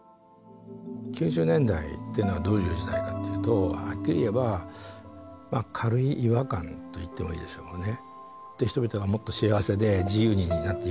９０年っていうのはどういう時代かっていうとはっきり言えば軽い違和感と言ってもいいでしょうね。